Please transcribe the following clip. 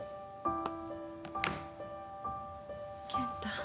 健太。